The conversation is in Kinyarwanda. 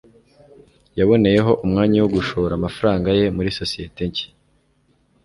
yaboneyeho umwanya wo gushora amafaranga ye muri sosiyete nshya